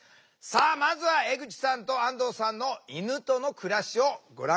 さあまずは江口さんと安藤さんの犬との暮らしをご覧下さい。